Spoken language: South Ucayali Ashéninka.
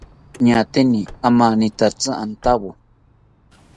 Ñaateni amanitaki antawo